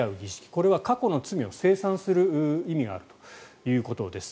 これは過去の罪を清算する意味があるということです。